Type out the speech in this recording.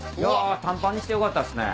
短パンにしてよかったですね。